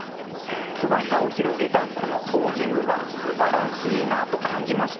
翼を広げたこのポージングがすばらしいなと感じました。